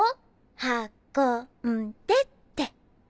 はこんでって。